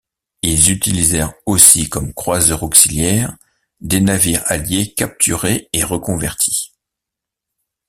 Ils utilisèrent aussi comme croiseur auxiliaire des navires alliés capturés et reconvertis.